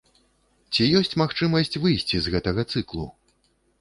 Ці ёсць магчымасць выйсці з гэтага цыклу?